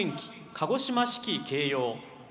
鹿児島市旗掲揚。